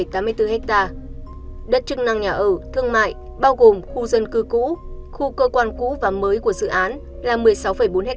đất chức năng nhà ở thương mại bao gồm khu dân cư cũ khu cơ quan cũ và mới của dự án là một mươi sáu bốn ha